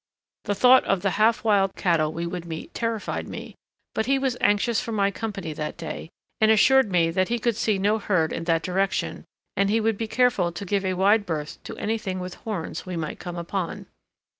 The thought of the half wild cattle we would meet terrified me, but he was anxious for my company that day and assured me that he could see no herd in that direction and he would be careful to give a wide berth to anything with horns we might come upon.